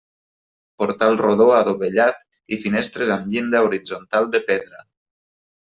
Portal rodó adovellat i finestres amb llinda horitzontal de pedra.